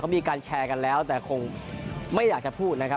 มีการแชร์กันแล้วแต่คงไม่อยากจะพูดนะครับ